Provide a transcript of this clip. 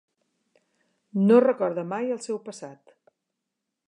No recorda mai el seu passat.